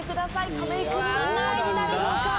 亀井君は何位になるのか？